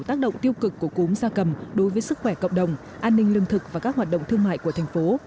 tác động tiêu cực của cúm gia cầm đối với sức khỏe cộng đồng an ninh lương thực và các hoạt động thương mại của thành phố